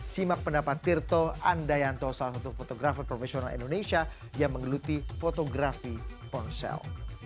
simak pendapat tirto andayanto salah satu fotografer profesional indonesia yang menggeluti fotografi ponsel